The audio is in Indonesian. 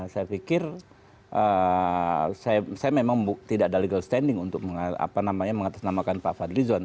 saya pikir saya memang tidak ada legal standing untuk mengatasnamakan pak fadlizon